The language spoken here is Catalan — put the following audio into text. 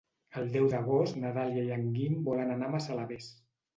El deu d'agost na Dàlia i en Guim volen anar a Massalavés.